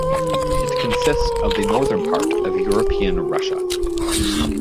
It consists of the northern part of European Russia.